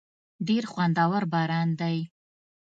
ډېر خوندور باران دی.